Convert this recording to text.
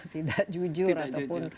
tidak jujur ataupun